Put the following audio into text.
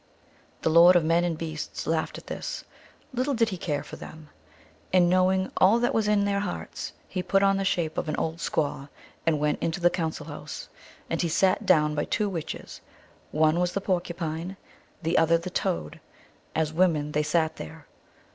The Lord of Men and Beasts laughed at this. Little did he care for them ! And knowing all that was in their hearts, he put on the shape of an old squaw and went into the council house. And he sat down by two witches : one was the Porcupine, the other the Toad ; as women they sat there.